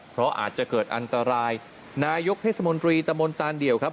เพราะอาจจะเกิดอันตรายนายกเทศมนตรีตะมนตานเดี่ยวครับ